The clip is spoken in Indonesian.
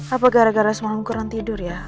apa gara gara semalam ukuran tidur ya